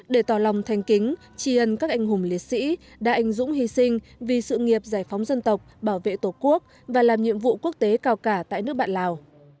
để tỏ lòng thanh kính tri ân các anh hùng liệt sĩ đã anh dũng hy sinh vì sự nghiệp giải phóng dân tộc bảo vệ tổ quốc và làm nhiệm vụ quốc tế cao cả tại nước bạn lào